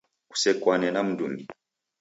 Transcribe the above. Kusekwane na mndungi